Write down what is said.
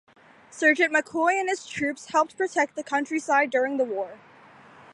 Sergeant McCoy and his troops helped protect the countryside during the war.